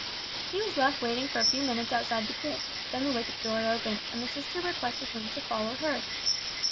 He was left waiting for a few minutes outside the gate, then the wicket door opened, and the sister requested him to follow her.